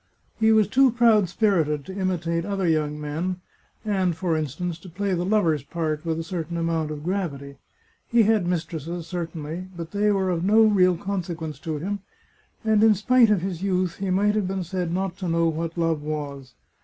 He was too proud spirited to imitate other young men, and, for in stance, to play the lover's part with a certain amount of gravity. He had mistresses, certainly, but they were of no real consequence to him, and in spite of his youth he might have been said not to know what love was.